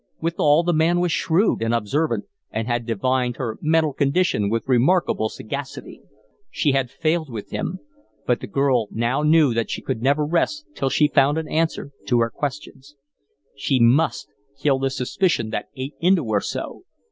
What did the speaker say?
Withal, the man was shrewd and observant and had divined her mental condition with remarkable sagacity. She had failed with him; but the girl now knew that she could never rest till she found an answer to her questions. She MUST kill this suspicion that ate into her so.